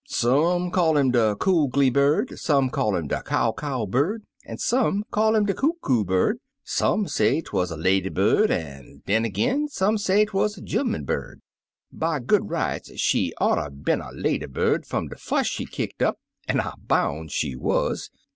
Some call 'im de Coogly Bird, some call 'im de Cow Cow Bird, an' some call 'im de Coo Coo Bird — some say 'twuz a lady bird, an' den ag'in some say 'twuz a gemman bird. By good rights, she oughtcr been a lady bird, fum de fuss she kicked up, an' I boun* she wuz.